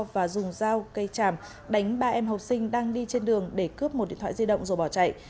và dùng dao cây tràm đánh ba em học sinh đang đi trên đường để cướp một điện thoại di động rồi bỏ chạy